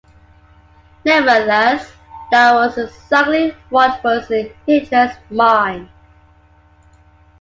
Nevertheless, that was exactly what was in Hitler's mind.